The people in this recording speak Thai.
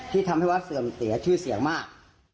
ที่ทำให้วัดเสื่อมเสียชื่อเสียงมาก